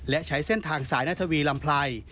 และใช้เส้นทางสายนาธวีลำไพร